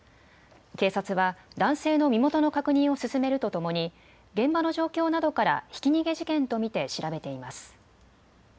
警察は男性の身元の確認を進めるとともに現場の状況などからひき逃げ事件と見て調べています。